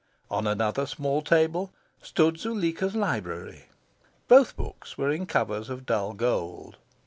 On another small table stood Zuleika's library. Both books were in covers of dull gold.